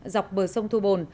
dọc bờ sông thu bồn